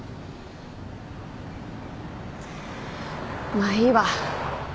まあいいわ。